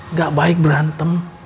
nggak baik berantem